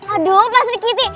aduh pasir kitty